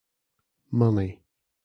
Money.